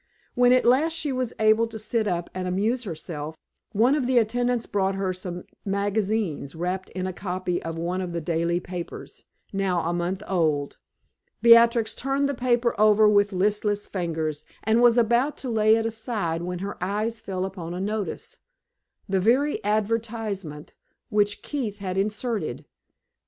When at last she was able to sit up and amuse herself, one of the attendants brought her some magazines, wrapped in a copy of one of the daily papers now a month old. Beatrix turned the paper over with listless fingers, and was about to lay it aside when her eyes fell upon a notice the very advertisement which Keith had inserted.